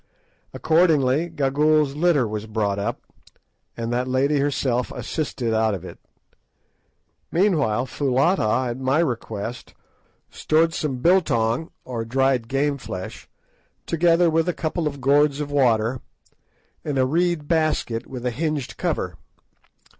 Accordingly Gagool's litter was brought up, and that lady herself assisted out of it. Meanwhile Foulata, at my request, stored some "biltong," or dried game flesh, together with a couple of gourds of water, in a reed basket with a hinged cover.